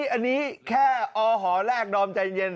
อันนี้แค่อหอแรกดอมใจเย็น